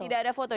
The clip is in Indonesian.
tidak ada foto